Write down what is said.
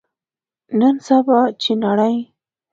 نن سبا، چې نړۍ